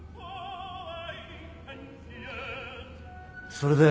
それで。